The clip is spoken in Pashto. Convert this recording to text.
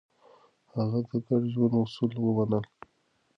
هغه د ګډ ژوند اصول ومنل.